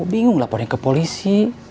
tinggung laporin ke polisi